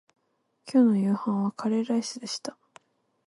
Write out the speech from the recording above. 今日の夕飯はカレーライスでした